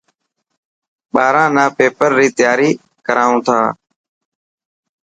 ٻاران نا پيپر ري تياري ڪرائون ٿا.